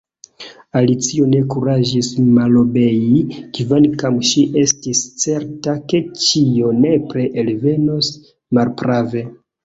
Alicio ne kuraĝis malobei, kvankam ŝi estis certa ke ĉio nepre elvenos malprave.